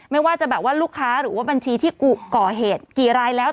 ไม่ว่าจะลูกค้า